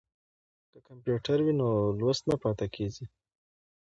که کمپیوټر وي نو لوست نه پاتې کیږي.